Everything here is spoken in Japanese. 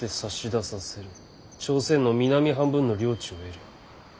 朝鮮の南半分の領地を得る。